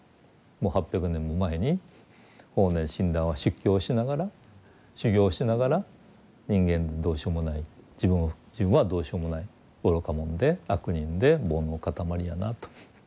もう８００年も前に法然親鸞は出家をしながら修行をしながら人間どうしようもない自分はどうしようもない愚か者で悪人で煩悩の固まりやなと。